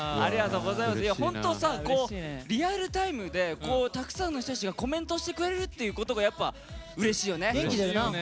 本当、リアルタイムでたくさんの人たちがコメントしてくれるっていうことが、うれしいよね。